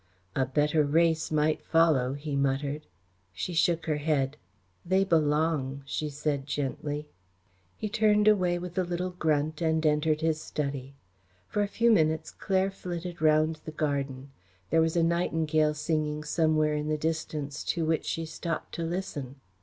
"A better race might follow," he muttered. She shook her head. "They belong," she said gently. He turned away with a little grunt and entered his study. For a few minutes Claire flitted round the garden. There was a nightingale singing somewhere in the distance to which she stopped to listen.